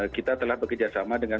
kita telah bekerjasama dengan